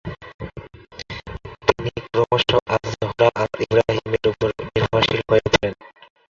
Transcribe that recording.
তিনি ক্রমশ Al Zohra আল ইব্রাহিমের ওপর নির্ভরশীল হয়ে পড়েন।